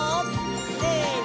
せの！